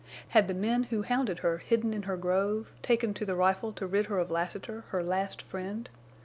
Had the men who hounded her hidden in her grove, taken to the rifle to rid her of Lassiter, her last friend?